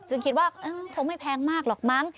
คิดว่าคงไม่แพงมากหรอกมั้ง